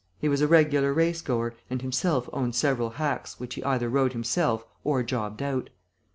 He was a regular race goer and himself owned several hacks which he either rode himself or jobbed out.